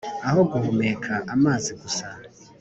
aho guhumeka amazi gusa